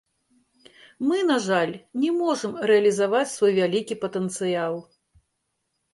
Мы, на жаль, не можам рэалізаваць свой вялікі патэнцыял.